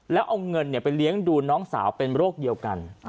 แล้วเอาเงินไปเลี้ยงดูน้องสาวเป็นโรคเดียวกัน